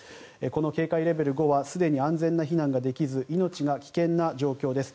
この警戒レベル５はすでに安全な避難ができず命が危険な状況です。